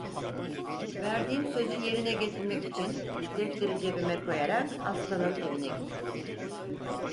Verdiğim sözü yerine getirmek için defteri cebime koyarak, hastanın evine gittim.